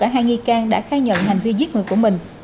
hai nghi can đã khai nhận hành vi giết người của mình